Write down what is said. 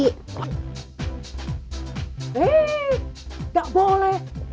eh gak boleh